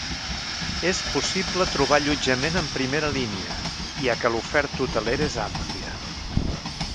És possible trobar allotjament en primera línia, ja que l’oferta hotelera és àmplia.